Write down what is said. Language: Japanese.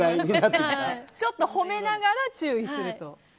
ちょっと褒めながら注意すると。